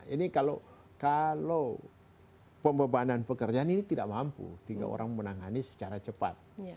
ini kalau pembebanan pekerjaan ini tidak mampu tiga orang menangani secara cepat